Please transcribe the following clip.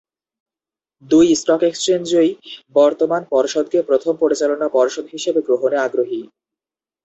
দুই স্টক এক্সচেঞ্জই বর্তমান পর্ষদকে প্রথম পরিচালনা পর্ষদ হিসেবে গ্রহণে আগ্রহী।